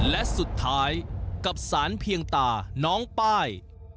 และสุดท้ายกับสารเพียงตาน้องป้าย